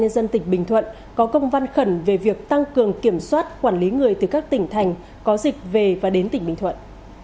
ubnd tỉnh bình thuận có công văn khẩn về việc tăng cường kiểm soát quản lý người từ các tỉnh thành có dịch về và đến tỉnh bình thuận